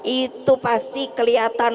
itu pasti kelihatan